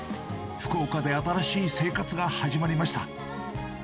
福岡で新しい生活が始まりました。